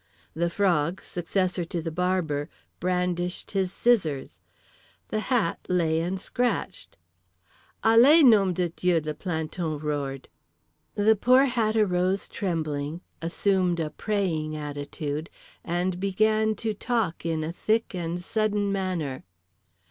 The Frog, successor to The Barber, brandished his scissors. The Hat lay and scratched. "Allez, Nom de Dieu" the planton roared. The poor Hat arose trembling, assumed a praying attitude; and began to talk in a thick and sudden manner.